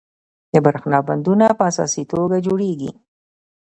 د بریښنا بندونه په اساسي توګه جوړیږي.